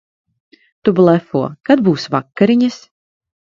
Tu blefo. Kad būs vakariņas?